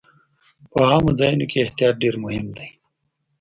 په عامو ځایونو کې احتیاط ډېر مهم دی.